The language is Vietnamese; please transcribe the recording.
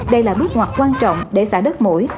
đây là bước ngoặt quan trọng để xả đất mũi